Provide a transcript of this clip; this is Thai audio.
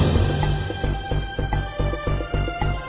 กินโทษส่องแล้วอย่างนี้ก็ได้